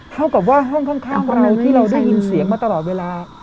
เท่ากับว่าห้องข้างเราที่เราได้ยินเสียงมาตลอดเวลา